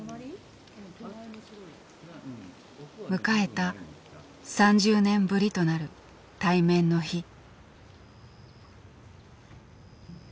迎えた３０年ぶりとなる対面の日。